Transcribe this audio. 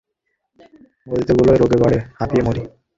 গদিতে শুলেই রোগ বাড়ে, হাঁপিয়ে মরি।